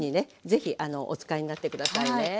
ぜひお使いになって下さいね。